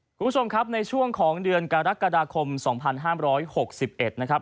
คุณผู้ชมครับในช่วงของเดือนกรกฎาคมสองพันห้ามร้อยหกสิบเอ็ดนะครับ